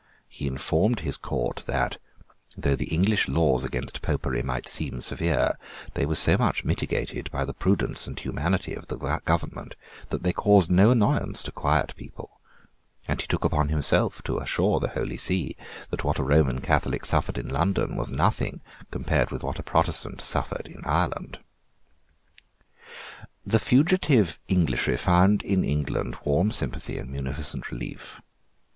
He informed his Court that, though the English laws against Popery might seem severe, they were so much mitigated by the prudence and humanity of the Government, that they caused no annoyance to quiet people; and he took upon himself to assure the Holy See that what a Roman Catholic suffered in London was nothing when compared with what a Protestant suffered in Ireland, The fugitive Englishry found in England warm sympathy and munificent relief.